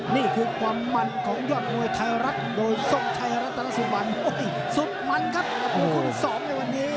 นี่คือความมันของยอดมวยไทยรักโดยทรงไทยรักตลอดสุดมันโอ้ยสุดมันครับคุณคุณสองในวันนี้